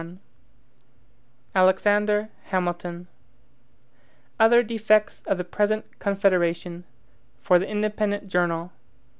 PUBLIUS FEDERALIST No. 21 Other Defects of the Present Confederation For the Independent Journal.